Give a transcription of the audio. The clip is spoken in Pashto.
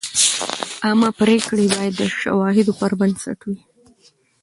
عامه پریکړې باید د شواهدو پر بنسټ وي.